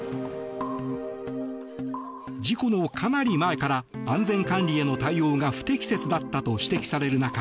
事故のかなり前から安全管理への対応が不適切だったと指摘される中